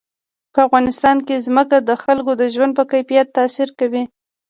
په افغانستان کې ځمکه د خلکو د ژوند په کیفیت تاثیر کوي.